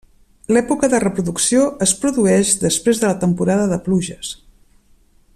L'època de reproducció es produeix després de la temporada de pluges.